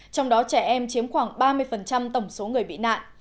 trong đó trẻ em chiếm khoảng ba mươi tổng số người bị nạn